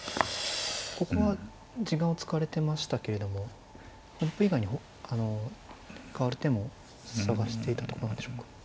ここは時間を使われてましたけれども本譜以外にかわる手も探していたとかなんでしょうか。